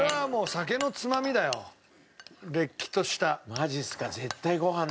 マジっすか。